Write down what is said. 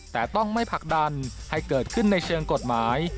แต่ต้องไม่ผลักดันให้เกิดขึ้นในเชิงกฎหมาย